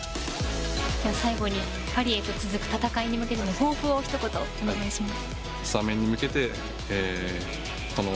最後にパリへと続く戦いに向けての抱負を一言お願いします。